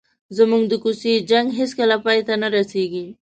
زموږ د کوڅې جنګ هېڅکله پای ته نه رسېږي.